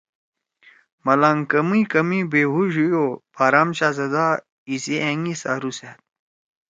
ملانگ کمیئی کمیئی بے ہُوش ہُوئی او بارام شاھزدا ایسی أنگی سارُو سأد۔